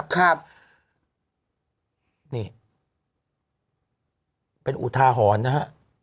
ครับนี่เป็นอุทาหรณ์นะฮะ